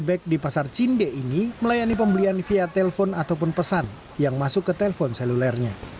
beck di pasar cinde ini melayani pembelian via telepon ataupun pesan yang masuk ke telepon selulernya